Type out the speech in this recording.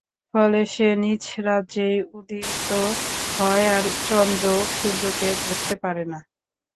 ফলে সে নিজ রাজ্যেই উদিত হয় আর চন্দ্রও সূর্যকে ধরতে পারে না।